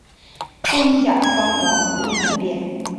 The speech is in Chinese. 真假桑黄不易分辨。